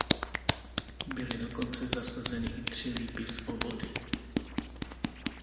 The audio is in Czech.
Byly dokonce zasazeny i tři lípy svobody.